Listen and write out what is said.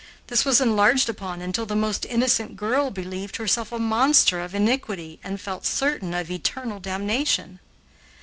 This was enlarged upon until the most innocent girl believed herself a monster of iniquity and felt certain of eternal damnation.